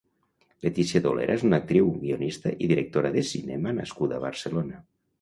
Leticia Dolera és una actriu, guionista i directora de cinema nascuda a Barcelona.